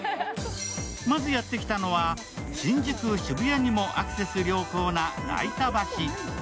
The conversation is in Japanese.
まずやってきたのは、新宿、渋谷にもアクセス良好な代田橋。